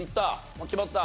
もう決まった？